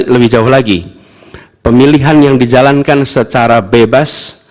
lebih jauh lagi pemilihan yang dijalankan secara bebas